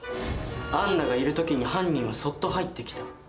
杏奈がいる時に犯人はそっと入ってきた。